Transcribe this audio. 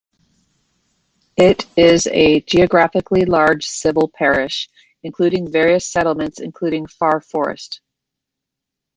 It is a geographically large civil parish, including various settlements including Far Forest.